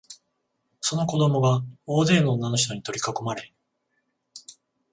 その子供が大勢の女のひとに取りかこまれ、